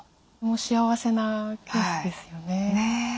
幸せなケースですよね。